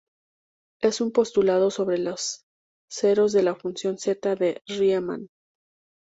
Es un postulado sobre los ceros de la función zeta de Riemann.